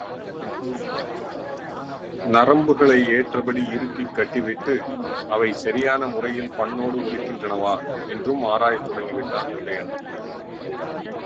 நரம்புகளை ஏற்றபடி இறுக்கிக் கட்டிவிட்டு அவை சரியான முறையில் பண்ணோடு ஒலிக்கின்றனவா என்றும் ஆராயத் தொடங்கிவிட்டான் உதயணன்.